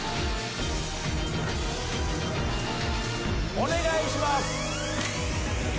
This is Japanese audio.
お願いします！